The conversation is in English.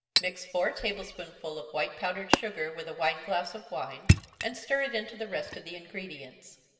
Mix four table spoonsful of white powdered sugar with a wine glass of wine, and stir it into the rest of the ingredients.